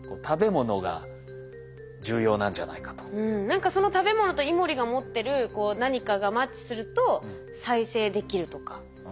何かその食べ物とイモリが持ってる何かがマッチすると再生できるとか。